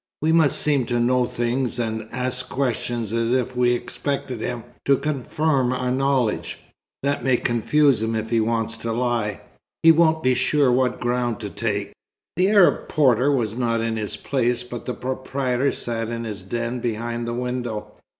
We must seem to know things, and ask questions as if we expected him to confirm our knowledge. That may confuse him if he wants to lie. He won't be sure what ground to take." The Arab porter was not in his place, but the proprietor sat in his den behind the window.